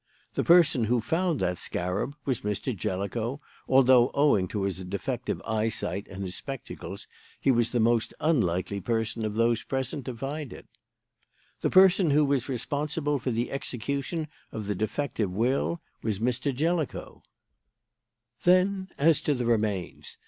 The person who found that scarab was Mr. Jellicoe, although, owing to his defective eyesight and his spectacles, he was the most unlikely person of those present to find it. "The person who was responsible for the execution of the defective will was Mr. Jellicoe. "Then as to the remains.